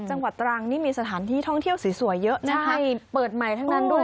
จังหวัดตรังนี่มีสถานที่ท่องเที่ยวสวยเยอะนะคะเปิดใหม่ทั้งนั้นด้วย